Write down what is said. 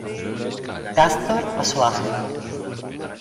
Castor Azuaje.